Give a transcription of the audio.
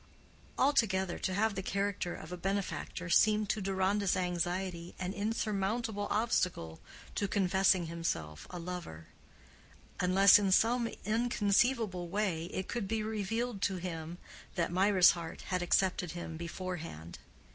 Altogether, to have the character of a benefactor seemed to Deronda's anxiety an insurmountable obstacle to confessing himself a lover, unless in some inconceivable way it could be revealed to him that Mirah's heart had accepted him beforehand.